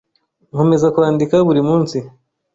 Nkomeza kwandika buri munsi.